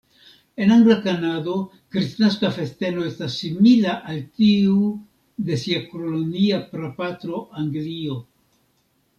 En angla Kanado, kristnaska festeno estas simila al tiu de sia kolonia prapatro, Anglio.